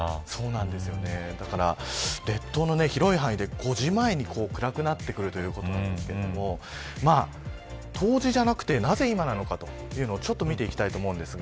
列島の広い範囲で５時前に暗くなってくるということですが冬至じゃなく、なぜ今なのかというのを見ていきます。